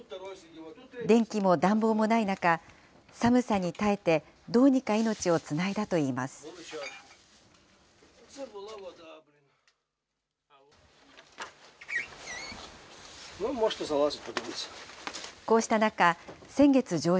電気も暖房もない中、寒さに耐えて、どうにか命をつないだといいます。